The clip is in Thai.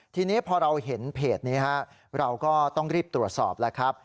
ทีนี้พอเราเห็นเพจนี้เราก็ต้องรีบตรวจสอบแล้วครับ